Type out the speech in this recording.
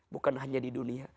bukan hanya di dunia